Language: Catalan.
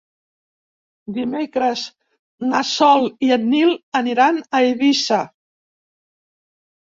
Dimecres na Sol i en Nil aniran a Eivissa.